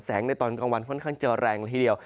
ในตอนกลางวันค่อนข้างจะแรงละทีเดียว